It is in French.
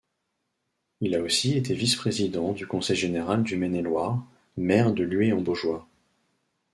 Il a aussi été vice-président du Consei général du Maine-et-Loire, maire de Lué-en-Baugeois.